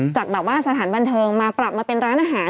จากแบบว่าสถานบันเทิงมาปรับมาเป็นร้านอาหาร